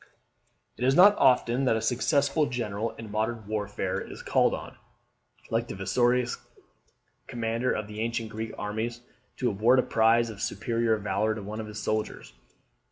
It is not often that a successful General in modern warfare is called on, like the victorious commander of the ancient Greek armies, to award a prize of superior valour to one of his soldiers.